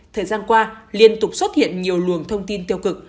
thời gian qua liên tục xuất hiện nhiều luồng thông tin tiêu cực